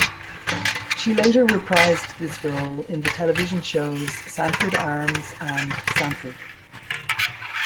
She later reprised this role in the television shows "Sanford Arms" and "Sanford".